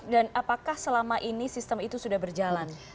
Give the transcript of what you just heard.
dan apakah selama ini sistem itu sudah berjalan